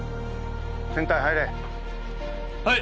センターへ入れはい！